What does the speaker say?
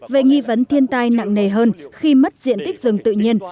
về nghi vấn thiên tai nặng nề hơn khi mất diện tích rừng tự nhiên